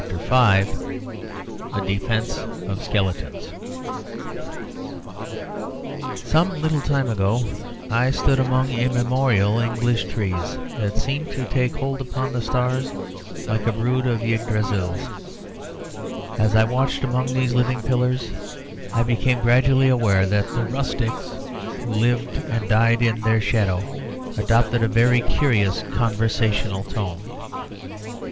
A DEFENCE OF SKELETONS Some little time ago I stood among immemorial English trees that seemed to take hold upon the stars like a brood of Ygdrasils. As I walked among these living pillars I became gradually aware that the rustics who lived and died in their shadow adopted a very curious conversational tone.